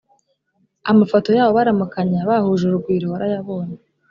amafoto yabo baramukanya bahuje urugwiro warayabonye